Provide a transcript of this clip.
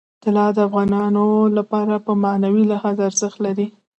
طلا د افغانانو لپاره په معنوي لحاظ ارزښت لري.